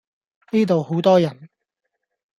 呢度好多人